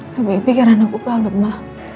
tapi pikiran aku kalut ma